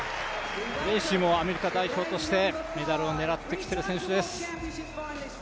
ブレーシーもアメリカ代表として、メダルを狙ってきている選手です